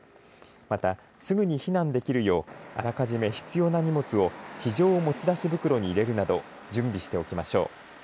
また、すぐに避難できるようあらかじめ必要な荷物を非常持ち出し袋に入れるなど準備しておきましょう。